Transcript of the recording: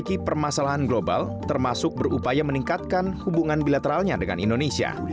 memiliki permasalahan global termasuk berupaya meningkatkan hubungan bilateralnya dengan indonesia